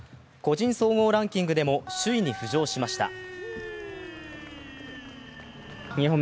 個人総合ランキングでも首位に浮上しました。